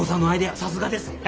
さすがです！